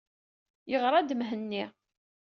Yeɣṛa-d Mhenni.